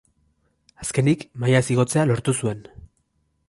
Azkenik mailaz igotzea lortu zuen.